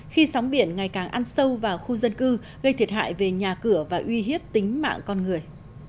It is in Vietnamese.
khi sóng biển ngày càng ăn sâu vào khu dân cư gây thiệt hại về nhà cửa và uy hiếp tính mạng con người